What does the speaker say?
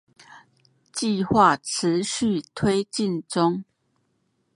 計畫持續推進中